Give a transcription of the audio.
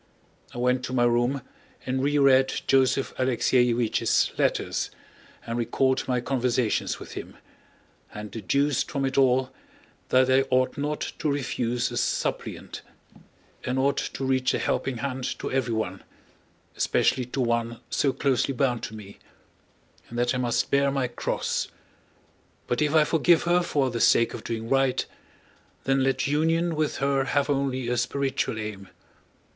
I went to my room and reread Joseph Alexéevich's letters and recalled my conversations with him, and deduced from it all that I ought not to refuse a supplicant, and ought to reach a helping hand to everyone—especially to one so closely bound to me—and that I must bear my cross. But if I forgive her for the sake of doing right, then let union with her have only a spiritual aim.